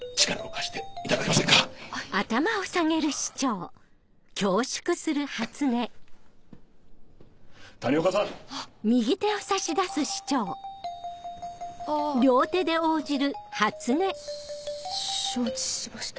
し承知しました。